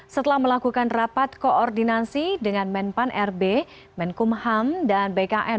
setelah melakukan rapat koordinasi dengan menpan rb menkumham dan bkm